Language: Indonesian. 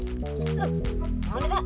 paham nih pak